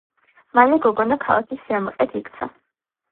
მალე გოგონა ქალაქის სიამაყედ იქცა.